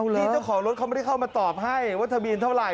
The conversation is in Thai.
ที่เจ้าของรถเขาไม่ได้เข้ามาตอบให้ว่าทะเบียนเท่าไหร